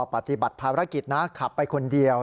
ปฏิบัติภารกิจนะขับไปคนเดียว